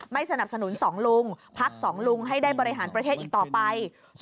สนับสนุน๒ลุงพัก๒ลุงให้ได้บริหารประเทศอีกต่อไป